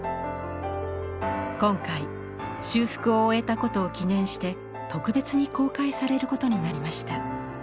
今回修復を終えたことを記念して特別に公開されることになりました。